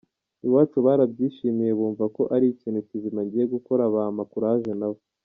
Iwacu barabyishimiye bumva ko ari ikintu kizima ngiye gukora bampa courage nabo.